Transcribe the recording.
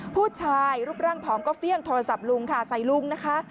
ผู้ชายรูปร่างผอมก็เฟี่ยงโทรศัพท์ลุงค่ะใส่ลุงนะคะ